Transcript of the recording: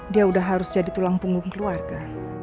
dia udah harus jadi tulang punggung keluarga